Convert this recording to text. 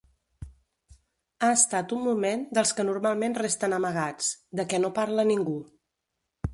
Ha estat un moment dels que normalment resten amagats, de què no parla ningú.